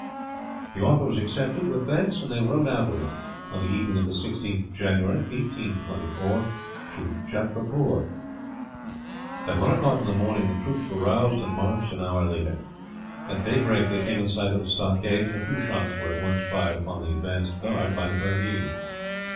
The offer was accepted with thanks, and they rode out with him, on the evening of the 16th of January, 1824, to Jatrapur. At one o'clock in the morning the troops were roused, and marched an hour later. At daybreak they came in sight of the stockade, and a few shots were at once fired upon the advanced guard by the Burmese.